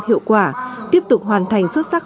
hiệu quả tiếp tục hoàn thành xuất sắc